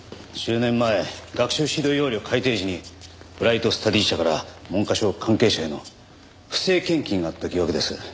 １０年前学習指導要領改訂時にブライトスタディ社から文科省関係者への不正献金があった疑惑です。